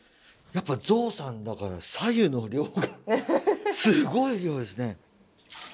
やっぱゾウさんだから白湯の量がすごい量ですね。